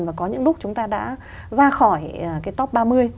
mà có những lúc chúng ta đã ra khỏi cái top ba mươi